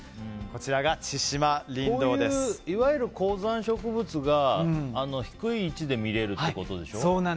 こういう、いわゆる高山植物が低い位置で見られるってことでしょ。